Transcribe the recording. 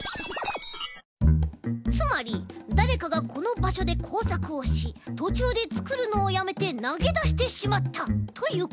つまりだれかがこのばしょでこうさくをしとちゅうでつくるのをやめてなげだしてしまったということです。